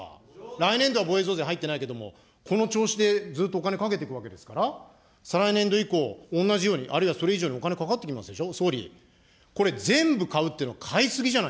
来年度は防衛増税入ってないけれども、この調子でずっとお金かけていくわけですから、再来年度以降、同じようにあるいはそれ以上にお金、かかってきますでしょ。